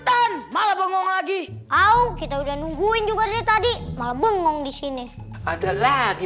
tan malah bengong lagi oh kita udah nungguin juga dari tadi malah bengong di sini ada lagi